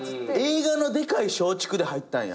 映画のでかい松竹で入ったんや。